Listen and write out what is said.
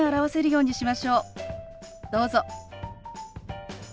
どうぞ。